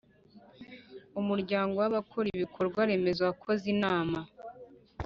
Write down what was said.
umuryango wabakora ibikorwa remezo wakoze inama